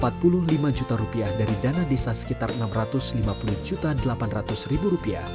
rp empat puluh lima dari dana desa sekitar rp enam ratus lima puluh delapan ratus